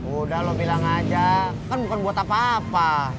udah lo bilang aja kan bukan buat apa apa